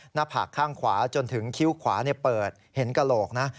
หน้าผากข้างขวาจนถึงคิ้วขวาเปิดเห็นกระโหลกนะ